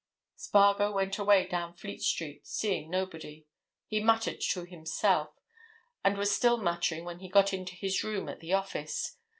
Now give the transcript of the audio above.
Spargo went away down Fleet Street, seeing nobody. He muttered to himself, and he was still muttering when he got into his room at the office.